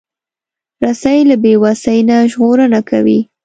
رسۍ له بیوسۍ نه ژغورنه کوي.